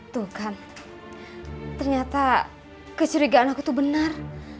tuh kan ternyata kecurigaan aku itu benar